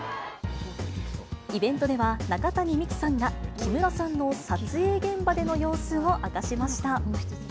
イベントでは中谷美紀さんが、木村さんの撮影現場での様子を明かしました。